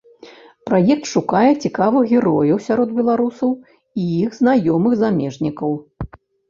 Праект шукае цікавых герояў сярод беларусаў і іх знаёмых замежнікаў.